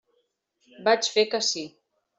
Vaig fer que sí.